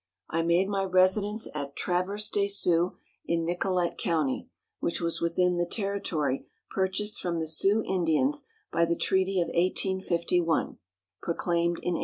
I made my residence at Traverse des Sioux, in Nicollet county, which was within the territory purchased from the Sioux Indians by the treaty of 1851, proclaimed in 1853.